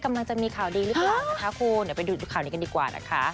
กำลังจะมีข่าวดีหรือเปล่านะคะคุณเดี๋ยวไปดูข่าวนี้กันดีกว่านะคะ